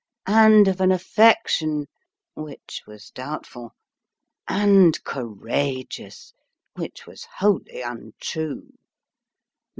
And of an affection (which was doubtful). And courageous (which was wholly untrue).